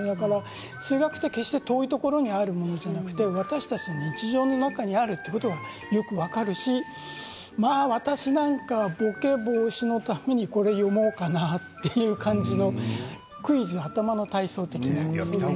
数学は遠いところにあるものではなくて私たちの日常にあるということはよく分かるし私なんかは、ぼけ防止のためにこれを読もうかなという感じのクイズ、頭の体操的なものです。